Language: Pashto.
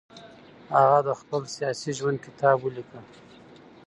هغه د خپل سیاسي ژوند کتاب ولیکه.